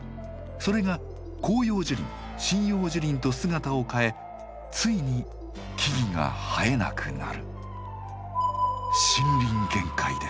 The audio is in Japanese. それが広葉樹林針葉樹林と姿を変えついに木々が生えなくなる。